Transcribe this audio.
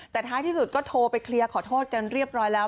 แต่ท้ายที่สุดก็โทรไปเคลียร์ขอโทษกันเรียบร้อยแล้ว